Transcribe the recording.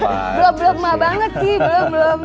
belum belum mah banget sih belum belum